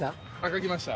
書きました。